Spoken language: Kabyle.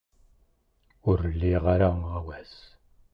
Ur liɣ ara aɣawas.